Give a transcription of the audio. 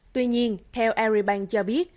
tuy nhiên theo aribank cho biết